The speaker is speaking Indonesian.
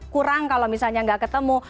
kurang kalau misalnya nggak ketemu